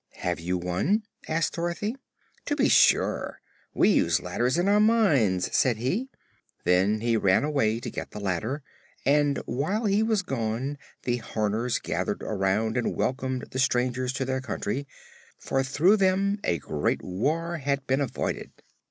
"Have you one?" asked Dorothy. "To be sure. We use ladders in our mines," said he. Then he ran away to get the ladder, and while he was gone the Horners gathered around and welcomed the strangers to their country, for through them a great war had been avoided.